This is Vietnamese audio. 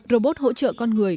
robot hỗ trợ con người